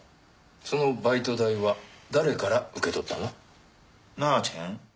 そのバイト代は誰から受け取ったの？